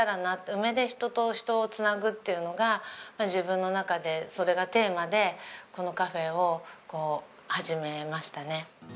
「梅で人と人をつなぐ」っていうのが自分の中でそれがテーマでこのカフェを始めましたね。